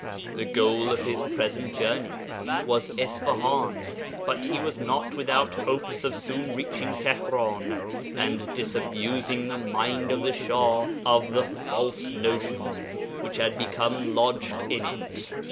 The goal of his present journey was Isfahan, but he was not without hopes of soon reaching Tihran and disabusing the mind of the Shah of the false notions which had become lodged in it.